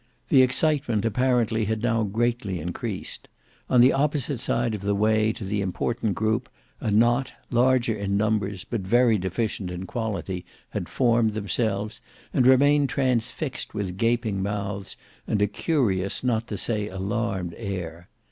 The excitement apparently had now greatly increased. On the opposite side of the way to the important group, a knot, larger in numbers but very deficient in quality, had formed themselves, and remained transfixed with gaping mouths and a Curious not to say alarmed air.